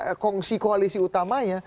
apa namanya kongsi koalisi utamanya